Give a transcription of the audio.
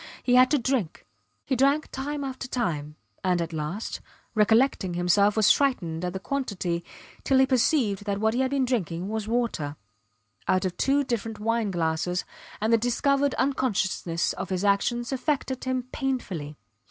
He had to drink. He drank time after time, and, at last, recollecting himself, was frightened at the quantity, till he perceived that what he had been drinking was water out of two different wine glasses; and the discovered unconsciousness of his actions affected him painfully.